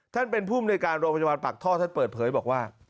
ท่านเป็นผู้มนุยการโรงพยาบาลปากท่อท่านเปิดเผยบอกว่า